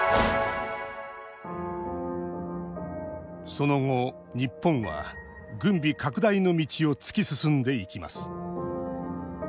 その後日本は軍備拡大の道を突き進んでいきます